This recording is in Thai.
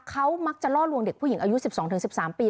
เขามักจะล่อลวงเด็กผู้หญิงอายุ๑๒๑๓ปี